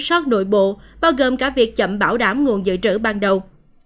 sát nội bộ bao gồm cả việc chậm bảo đảm nguồn dự trữ ban đầu